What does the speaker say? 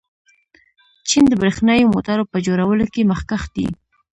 چین د برښنايي موټرو په جوړولو کې مخکښ دی.